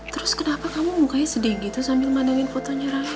terus kenapa kamu mukanya sedih gitu sambil mandangin fotonya rame